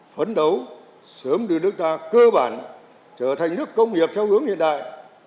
phấn đấu sớm đưa nước ta cơ bản trở thành nước công nghiệp theo hướng hiện đại